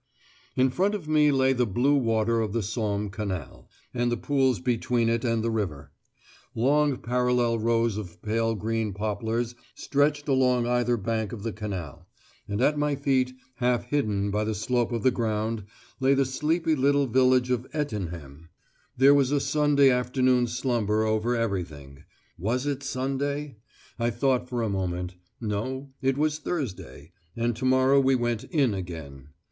In front of me lay the blue water of the Somme Canal, and the pools between it and the river; long parallel rows of pale green poplars stretched along either bank of the canal; and at my feet, half hidden by the slope of the ground, lay the sleepy little village of Etinehem. There was a Sunday afternoon slumber over everything. Was it Sunday? I thought for a moment. No, it was Thursday, and to morrow we went "in" again.